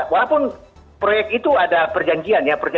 walaupun proyek itu ada perjanjian ya